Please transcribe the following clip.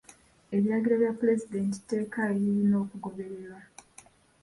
Ebiragiro bya puleezidenti tteeka eririna okugobererwa.